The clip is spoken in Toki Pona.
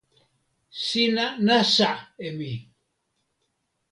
sina nasa e mi.